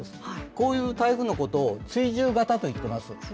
こういう台風のことを追従型と言っています。